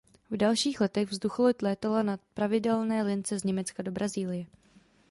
V dalších letech vzducholoď létala na pravidelné lince z Německa do Brazílie.